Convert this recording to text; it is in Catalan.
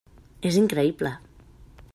És increïble!